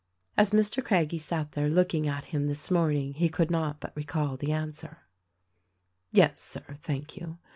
As Mr. Craggie sat there looking at him this morning he could not but recall the answer. "Yes, Sir, thank you.